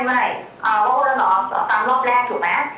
บอโก่แล้วเหรอตามรอบแรกถูกไหม